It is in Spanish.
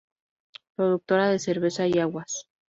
Productora de cerveza y aguas.